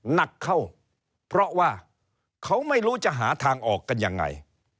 หนักเข้าเพราะว่าเขาไม่รู้จะหาทางออกกันยังไง